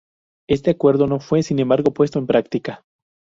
Este acuerdo no fue, sin embargo, puesto en práctica.